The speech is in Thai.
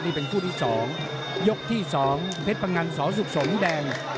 นี่เป็นคู่ที่๒ยกที่๒เพชรพงันสสุขสมแดง